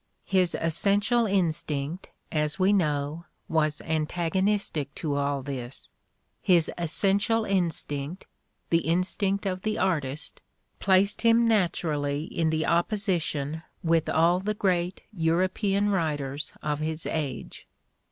His essential instinct, as we know, was antagonistic to all this; his essential instinct, the instinct of the artist, placed him naturally in the opposition with all the great European writers of his age.